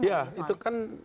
ya itu kan